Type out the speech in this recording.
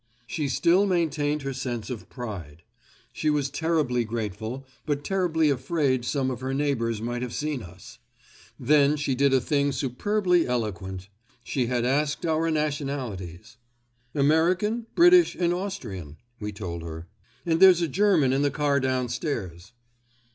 She still maintained her sense of pride. She was terribly grateful, but terribly afraid some of her neighbours might have seen us. Then she did a thing superbly eloquent. She had asked our nationalities. "American, British and Austrian," we told her, "and there's a German in the car downstairs."